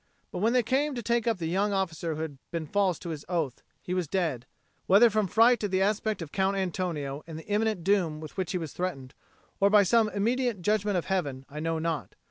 But when they came to take up the young officer who had been false to his oath, he was dead; whether from fright at the aspect of Count Antonio and the imminent doom with which he was threatened, or by some immediate judgment of Heaven, I know not.